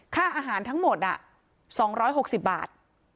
ค่าอาหารทั้งหมด๒๖๐บาท